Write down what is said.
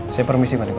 saya permisi pak